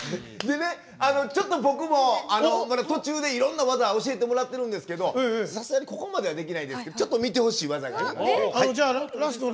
ちょっと僕も途中でいろんな技を教えてもらってるんですけどさすがに、ここまではできないですけどちょっと見てほしい技があります。